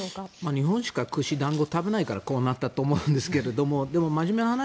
日本しか串団子を食べないからこうなったと思うんですけどでも、真面目な話